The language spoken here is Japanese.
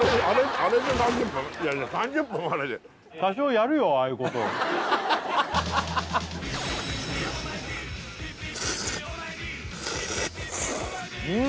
あれで多少やるよああいうことうん！